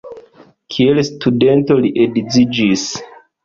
Kiel studento li edziĝis.